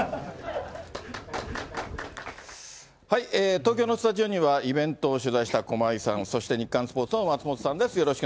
東京のスタジオには、イベントを取材した駒井さん、そして日刊スポーツの松本さんです。